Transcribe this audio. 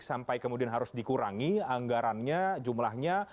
sampai kemudian harus dikurangi anggarannya jumlahnya